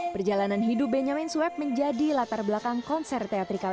perjalanan hidup benjamin swep menjadi latar belakang konser teatri kalbabe